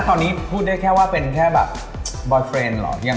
ผมไม่รู้ว่าคำถามดีสำหรับใครนะ